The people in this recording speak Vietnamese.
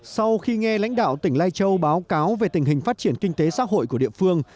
sau khi nghe lãnh đạo tỉnh lai châu báo cáo về tình hình phát triển kinh tế xã hội của địa phương